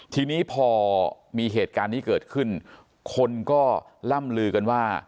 ทีนี้พอมีเหตุการณ์นี้เกิดขึ้นคนก็ล่ำลือกันว่า